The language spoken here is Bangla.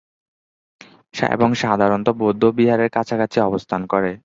এবং সাধারনত বৌদ্ধ বিহারের কাছাকাছি অবস্থান করে।